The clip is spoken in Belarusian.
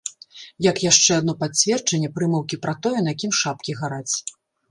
Як яшчэ адно пацверджанне прымаўкі пра тое, на кім шапкі гараць.